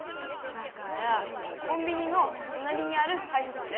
だからコンビニのとなりにあるはいしゃさんだよ。